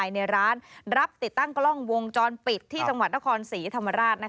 ในร้านรับติดตั้งกล้องวงจรปิดที่จังหวัดนครศรีธรรมราช